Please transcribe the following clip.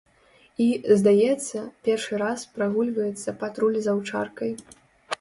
І, здаецца першы раз, прагульваецца патруль з аўчаркай.